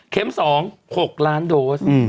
เข็มสอง๖ล้านโดส